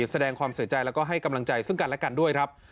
แสดงความเสียใจแล้วก็ให้กำลังใจซึ่งกันและกันด้วยครับ